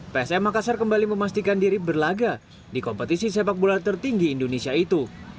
psm makassar kembali memastikan diri berlaga di kompetisi sepak bola tertinggi indonesia itu